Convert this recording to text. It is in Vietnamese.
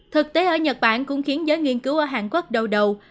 thực tế ở nhật bản cũng khiến giới nghiên cứu ở hàn quốc đầu đầu